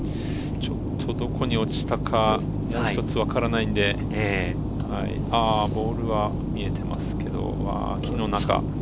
どこに落ちたか、もう一つ分からないんで、ボールは見ていますけど、木の中。